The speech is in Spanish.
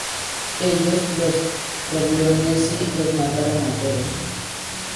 Ellos, los Corleonesi, los mataron a todos.